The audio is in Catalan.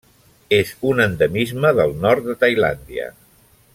És un endemisme del nord de Tailàndia.